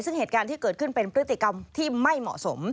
ซึ่งเหตุการณ์ที่เกิดขึ้นเป็นพฤติกรรมที่ไม่เหมาะสม